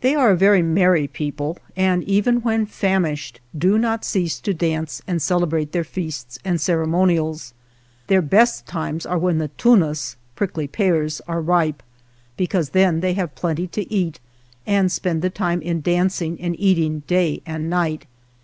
They are a very merry people, and even when famished do not cease to dance and celebrate their feasts and ceremonials. Their best times are when "tunas" (prickly pears) are ripe, because then they have plenty to eat and spend the time in dancing and eating day and night.